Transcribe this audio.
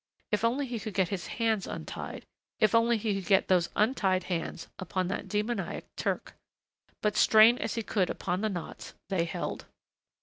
If only he could get his hands untied! If only he could get those untied hands upon that demoniac Turk! But, strain as he could upon the knots, they held.